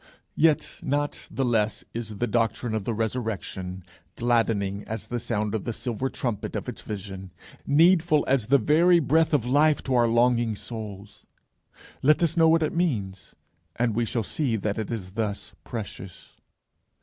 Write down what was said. Yet not the less is the doctrine of the Resurrection gladdening as the sound of the silver trumpet of its visions, needful as the very breath of life to our longing souls. Let us know what it means, and we shall see that it is thus precious.